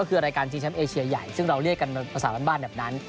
ก็คือรายการชิงแชมป์เอเชียใหญ่ซึ่งเราเรียกกันเป็นภาษาบ้านแบบนั้น